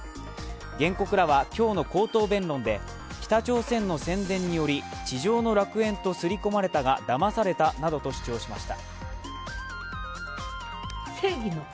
原告らは今日の口頭弁論で北朝鮮の宣伝により地上の楽園とすり込まれたがだまされたなどと主張しました。